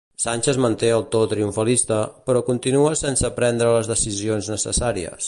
Sánchez manté el to triomfalista, però continua sense prendre les decisions necessàries.